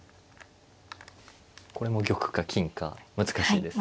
これも玉か金か難しいです。